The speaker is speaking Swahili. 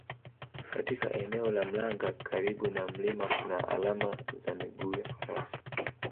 Katika eneo la Mlanga karibu na mlima kuna alama za miguu ya Farasi